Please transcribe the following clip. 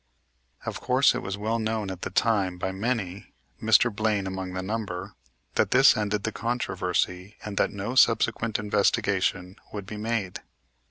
Of course it was well known at the time by many, Mr. Blaine among the number, that this ended the controversy and that no subsequent investigation would be made.